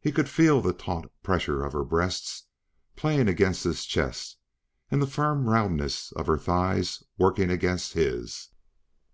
He could feel the taut pressure of her breasts playing against his chest and the firm roundness of her thighs working against his.